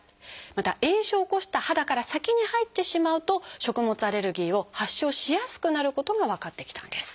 また炎症を起こした肌から先に入ってしまうと食物アレルギーを発症しやすくなることが分かってきたんです。